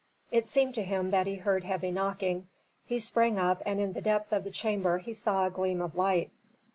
It seemed to him that he heard heavy knocking. He sprang up and in the depth of the chamber he saw a gleam of light.